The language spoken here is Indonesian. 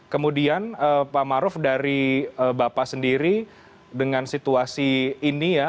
kemudian pak maruf dari bapak sendiri dengan situasi ini ya